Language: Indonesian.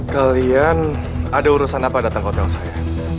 kalian ada urusan apa datang hotel saya